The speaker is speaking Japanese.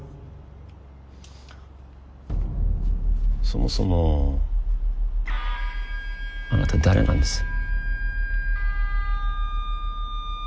そもそもあなた誰なんです？